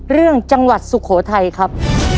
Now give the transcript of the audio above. จังหวัดสุโขทัยครับ